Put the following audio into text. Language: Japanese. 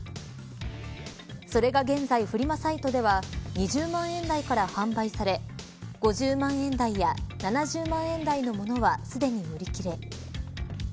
それが現在、フリマサイトでは２０万円台から販売され５０万円台や７０万円台のものはすでに売り切れ。